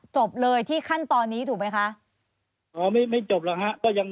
จบเลยที่คันตอนนี้ถูกไหมค่ะออไม่ไม่จบเหรอฮะ